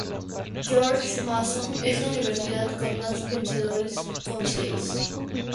George Mason es la universidad con más vencedores con seis.